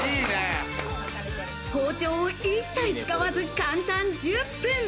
包丁を一切使わず簡単１０分。